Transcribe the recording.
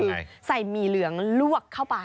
คือใส่หมี่เหลืองลวกเข้าไป